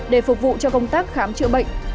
để phục vụ cho công tác khám chữa bệnh